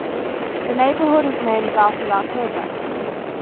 The neighborhood is named after that project.